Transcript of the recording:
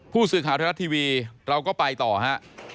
ผู้สื่อข่าวไทยรัฐทีวีเราก็ไปต่อฮะ